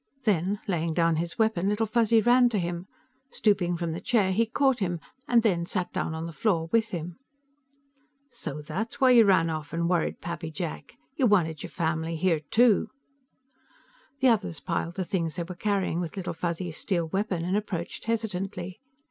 Then, laying down his weapon, Little Fuzzy ran to him; stooping from the chair, he caught him and then sat down on the floor with him. "So that's why you ran off and worried Pappy Jack? You wanted your family here, too!" The others piled the things they were carrying with Little Fuzzy's steel weapon and approached hesitantly.